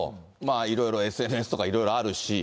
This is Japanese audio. いろいろＳＮＳとかいろいろあるし。